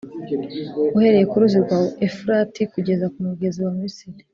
uhereye ku ruzi rwa Efurati kugeza ku mugezi wa Misiri.